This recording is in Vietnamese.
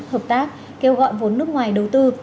hợp tác kêu gọi vốn nước ngoài đầu tư